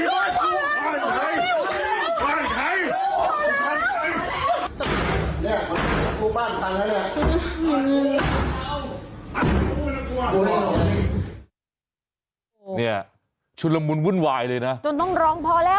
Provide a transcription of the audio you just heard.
บ้านฟังแล้วเนี่ยชุดละมุนวุ่นวายเลยน่ะจนต้องร้องพอแล้ว